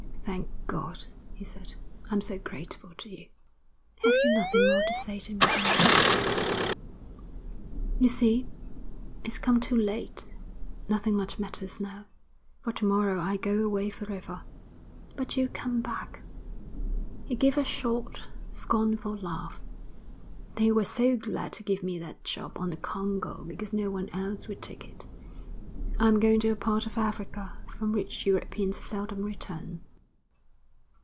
'Thank God,' he said. 'I'm so grateful to you.' 'Have you nothing more to say to me than that?' 'You see, its come too late. Nothing much matters now, for to morrow I go away for ever.' 'But you'll come back.' He gave a short, scornful laugh. 'They were so glad to give me that job on the Congo because no one else would take it. I'm going to a part of Africa from which Europeans seldom return.'